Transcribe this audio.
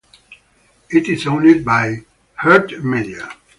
It is owned by iHeartMedia.